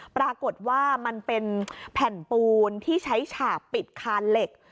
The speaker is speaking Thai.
ปรากฏว่ามันเป็นแผ่นปูนที่ใช้ฉากปิดคานเหล็ก